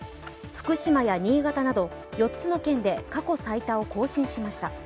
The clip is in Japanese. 福島や新潟など４つの県で過去最多を更新しました。